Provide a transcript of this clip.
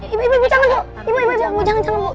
ibu ibu ibu jangan bu ibu ibu jangan jangan bu